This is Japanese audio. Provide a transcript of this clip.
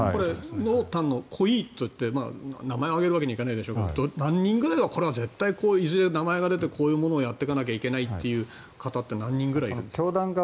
濃淡の濃いって名前を挙げるわけにはいかないでしょうけど何人ぐらいは絶対いずれ名前が出てこういうものをやっていかなきゃいけない方って何人ぐらいいるんですか？